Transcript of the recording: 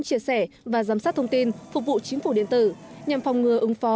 chia sẻ và giám sát thông tin phục vụ chính phủ điện tử nhằm phòng ngừa ứng phó